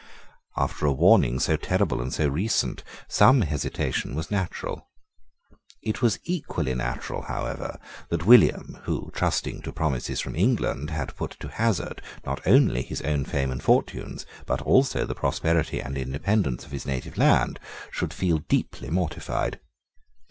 After a warning so terrible and so recent, some hesitation was natural. It was equally natural, however, that William, who, trusting to promises from England, had put to hazard, not only his own fame and fortunes, but also the prosperity and independence of his native land, should feel deeply mortified.